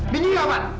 mingir gak pak